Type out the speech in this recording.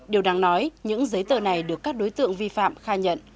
điều đáng nói những giấy tờ này được các đối tượng vi phạm khai nhận